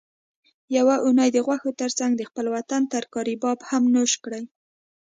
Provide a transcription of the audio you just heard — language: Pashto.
یوه اونۍ د غوښو ترڅنګ د خپل وطن ترکاري باب هم نوش کړئ